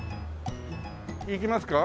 行きますか？